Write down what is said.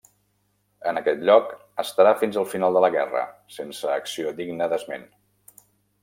En aquest lloc estarà fins al final de la guerra, sense acció digna d'esment.